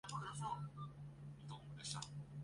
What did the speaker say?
别墅通常是一栋独立建筑或多栋建筑组成。